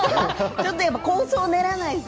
ちょっと、やっぱ構想を練らないと。